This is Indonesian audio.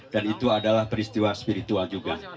dan itu adalah peristiwa spiritual juga